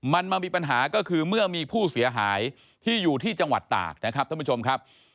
มันมามีปัญหาก็คือเมื่อมีผู้เสียหายที่อยู่ที่จังหวัดตากนะครับท่านผู้ชมครับ